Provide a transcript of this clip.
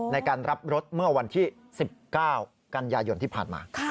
ในการรับรถเมื่อวันที่๑๙กันยายนที่ผ่านมา